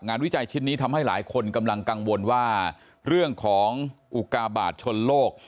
วิจัยชิ้นนี้ทำให้หลายคนกำลังกังวลว่าเรื่องของอุกาบาทชนโลก